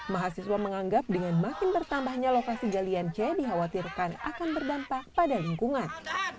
mahasiswa menganggap dengan makin bertambahnya lokasi galian c dikhawatirkan akan berdampak pada lingkungan